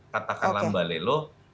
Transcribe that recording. katakanlah mba lelo